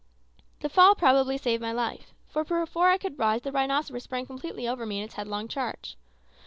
The fall probably saved my life, for before I could rise the rhinoceros sprang completely over me in its headlong charge.